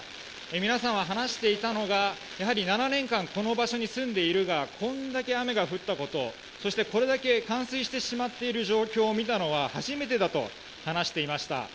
皆さんは話していたのが７年間この場所に住んでいるがこれだけ雨が降ったことそしてこれだけ冠水してしまっている状況を見たのは初めてだと話していました。